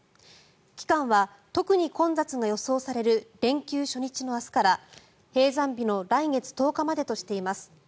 期間は、特に混雑が予想される連休初日の明日から閉山日の来月１０日までとしています。